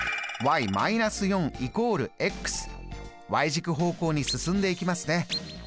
軸方向に進んでいきますね。